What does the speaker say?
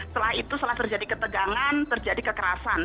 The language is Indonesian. setelah itu setelah terjadi ketegangan terjadi kekerasan